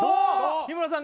日村さん